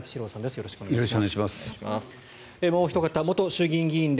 よろしくお願いします。